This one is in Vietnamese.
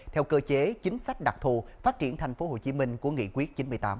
theo cơ chế chính sách đặc thù phát triển tp hcm của nghị quyết chín mươi tám